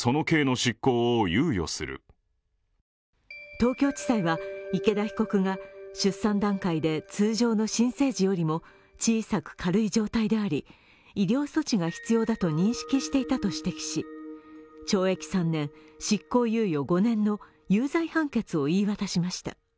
東京地裁は池田被告が出産段階で通常の新生児よりも小さく軽い状態であり、医療措置が必要だと認識していたと指摘し懲役３年、執行猶予５年の有罪判決を言い渡しました。